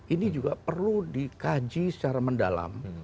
ini juga perlu dikaji secara mendalam